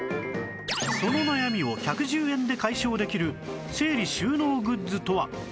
その悩みを１１０円で解消できる整理収納グッズとは？